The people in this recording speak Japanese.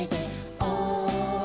「おい！」